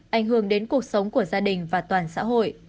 ảnh hưởng đến cuộc sống của gia đình và toàn xã hội